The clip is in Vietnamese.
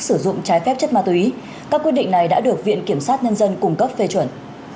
sử dụng trái phép chất ma túy các quyết định này đã được viện kiểm sát nhân dân cung cấp phê chuẩn